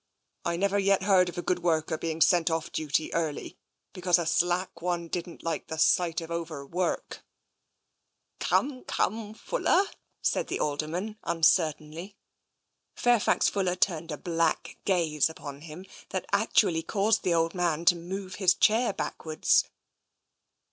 I never yet heard of a good worker being sent of? duty TENSION 229 early because a slack one didn't like the sight of over work/' " Come, come, Fuller," said the Alderman uncer tainly. Fairfax Fuller turned a black gaze upon him that actually caused the old man to move his chair back wards.